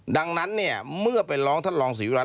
ดังนั้นเนี่ยเมื่อไปร้องท่านรองศรีวิรัติ